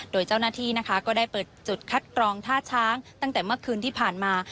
โดยเจ้าหน้าที่นะคะก็ได้เปิดจุดคัดกรองท่าช้างตั้งแต่เมื่อคืนที่ผ่านมา